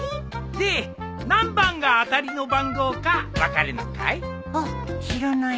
で何番が当たりの番号か分かるのかい？